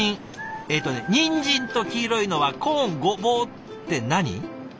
えとねにんじんと黄色いのはコーンごぼうって何？